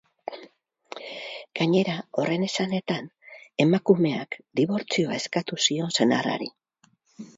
Gainera, horren esanetan, emakumeak dibortzioa eskatu zion senarrari.